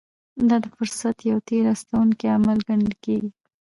دا د فرصت يو تېر ايستونکی عمل ګڼل کېږي.